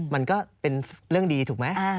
มันก็เป็นเรื่องดีถูกไหม